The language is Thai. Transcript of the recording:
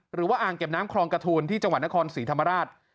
อ่างเก็บน้ำคลองกระทูลที่จังหวัดนครศรีธรรมราช